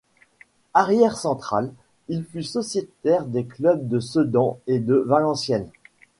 Arrière central, il fut sociétaire des clubs de Sedan et de Valenciennes.